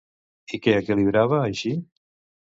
I què equilibrava, així?